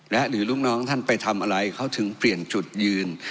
และหรือลูกน้องท่านไปทำอะไรเขาถึงเปลี่ยนจุดยืน